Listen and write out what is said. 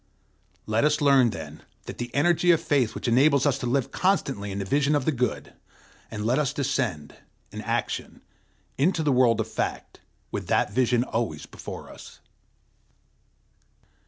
Let us learn, then, that energy of faith which enables us to live constantly in the vision of the good; and let us descend, in action, into the world of fact, with that vision always before us.